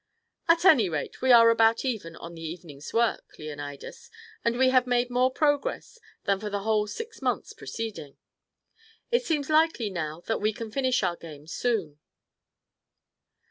"At any rate we are about even on the evening's work, Leonidas, and we have made more progress than for the whole six months preceding. It seems likely now that we can finish our game soon."